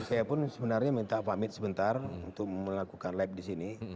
saya pun sebenarnya minta pamit sebentar untuk melakukan lab di sini